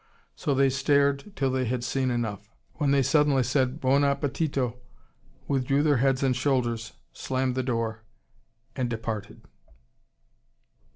So they stared till they had seen enough. When they suddenly said "Buon 'appetito," withdrew their heads and shoulders, slammed the door, and departed.